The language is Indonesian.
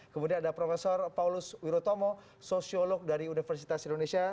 kemudian ada prof paulus wirotomo sosiolog dari universitas indonesia